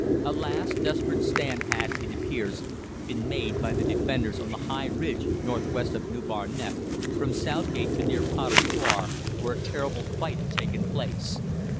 A last desperate stand had, it appears, been made by the defenders on the high ridge north west of New Barnet, from Southgate to near Potter's Bar, where a terrible fight had taken place.